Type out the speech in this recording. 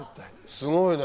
すごいね。